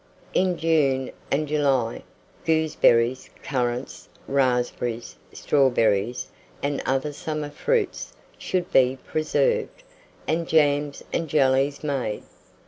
In June and July, gooseberries, currants, raspberries, strawberries, and other summer fruits, should be preserved, and jams and jellies made.